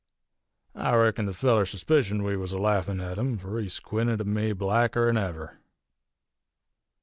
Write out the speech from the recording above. I reckon the feller suspicioned we was a laffin' at him, fur he squinted at me blacker 'n ever.